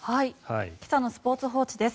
今朝のスポーツ報知です。